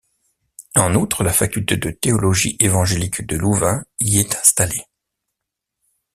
En outre, la Faculté de théologie évangélique de Louvain y est installée.